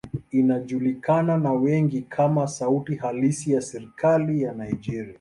Inajulikana na wengi kama sauti halisi ya serikali ya Nigeria.